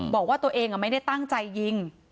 บอกว่าตัวเองไม่ได้ตั้งใจยิง